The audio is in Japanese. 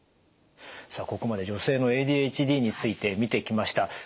さあここまで女性のＡＤＨＤについて見てきました。